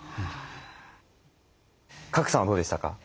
賀来さんはどうでしたか？